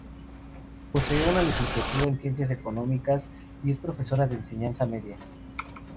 Posee una licenciatura en Ciencias Económicas, y es profesora de enseñanza media.